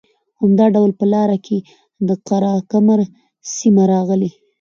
همدا ډول په لاره کې د قره کمر سیمه راغلې